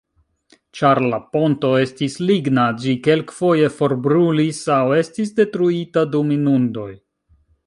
Ĉar la ponto estis ligna, ĝi kelkfoje forbrulis aŭ estis detruita dum inundoj.